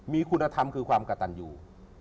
มีคุณธรรมคือความกระตันอยู่